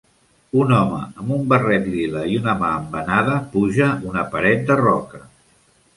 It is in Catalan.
Un home amb un barret lila i una mà embenada puja una paret de roca.